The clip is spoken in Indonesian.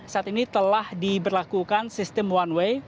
saat ini telah diberlakukan sistem one way